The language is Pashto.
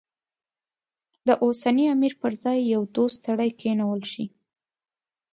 د اوسني امیر پر ځای یو دوست سړی کېنول شي.